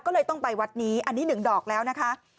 ก็เลยต้องไปวัดนี้อันนี้หนึ่งดอกแล้วนะคะ